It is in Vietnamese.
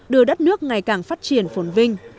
đưa đất nước ngày càng phát triển phồn vinh